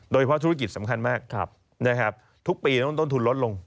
ธุรกิจสำคัญมากทุกปีต้องต้นทุนลดลง